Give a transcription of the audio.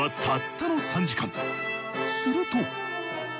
すると。